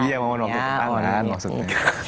iya momen waktu tunangan maksudnya